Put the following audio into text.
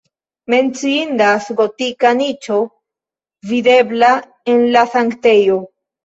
Menciindas gotika niĉo videbla en la sanktejo.